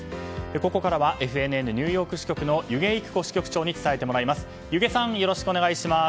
ここからはＦＮＮニューヨーク支局の弓削いく子支局長に伝えてもらいます。